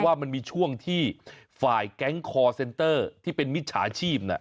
ว่ามันมีช่วงที่ฝ่ายแก๊งคอร์เซ็นเตอร์ที่เป็นมิจฉาชีพ